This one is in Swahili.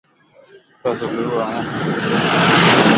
eta suluhu ama amani ya kudumu huko nchini iraq